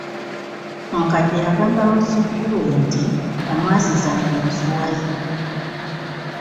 Omukadde yagamba muzzukulu we nti tamwasizanga ensuwa ye.